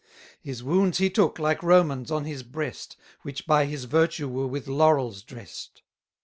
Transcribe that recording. His wounds he took, like Romans, on his breast, Which by his virtue were with laurels drest.